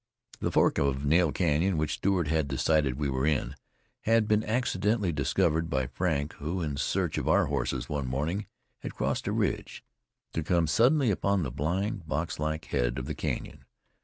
The fork of Nail Canyon, which Stewart had decided we were in, had been accidentally discovered by Frank, who, in search of our horses one morning had crossed a ridge, to come suddenly upon the blind, box like head of the canyon.